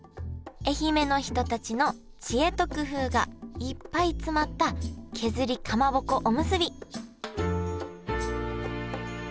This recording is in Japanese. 愛媛の人たちの知恵と工夫がいっぱい詰まった削りかまぼこおむすび